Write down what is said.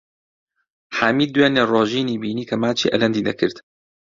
حامید دوێنێ ڕۆژینی بینی کە ماچی ئەلەندی دەکرد.